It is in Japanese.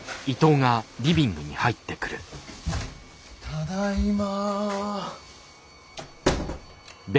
ただいま。